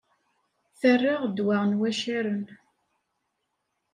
Terra ddwa n waccaren.